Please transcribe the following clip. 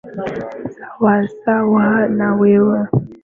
Sawasawa na wewe.